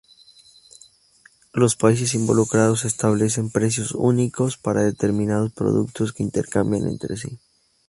Los países involucrados establecen precios únicos para determinados productos que intercambian entre sí.